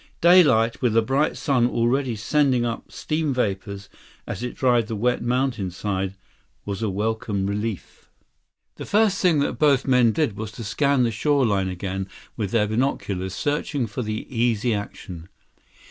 Daylight, with a bright sun already sending up steam vapors as it dried the wet mountain side, was a welcome relief. 127 The first thing both men did was to scan the shore line again with their binoculars, searching for the Easy Action.